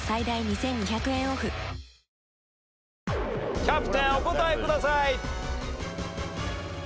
キャプテンお答えください。